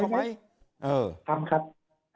ทำครับอันนี้ผมบอกได้เลย